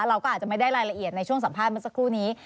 เราก็อาจจะไม่ได้รายละเอียดในช่วงสัมภาษณ์เมื่อสักครู่นี้